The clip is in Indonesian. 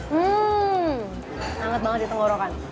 hmm hangat banget di tenggorokan